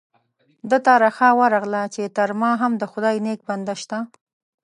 ده ته رخه ورغله چې تر ما هم د خدای نیک بنده شته.